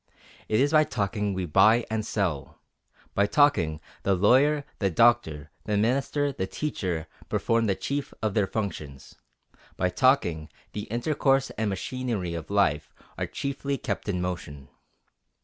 It is by talking we buy and sell; by talking, the lawyer, the doctor, the minister, the teacher perform the chief of their functions; by talking, the intercourse and machinery of life are chiefly kept in motion.